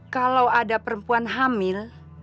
kalau ada perempuan hamil